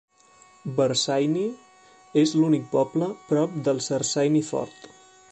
Bersaini és l'únic poble prop del Sersaini Fort.